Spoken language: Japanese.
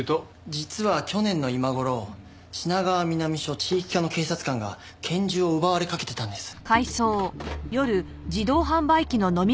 実は去年の今頃品川南署地域課の警察官が拳銃を奪われかけてたんです。